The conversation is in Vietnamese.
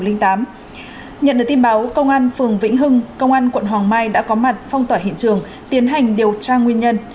nhận được tin báo công an phường vĩnh hưng công an quận hoàng mai đã có mặt phong tỏa hiện trường tiến hành điều tra nguyên nhân